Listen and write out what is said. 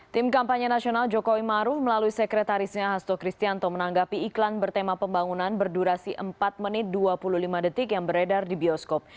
tim kampanye nasional jokowi maruf melalui sekretarisnya hasto kristianto menanggapi iklan bertema pembangunan berdurasi empat menit dua puluh lima detik yang beredar di bioskop